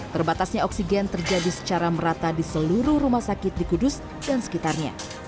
terbatasnya oksigen terjadi secara merata di seluruh rumah sakit di kudus dan sekitarnya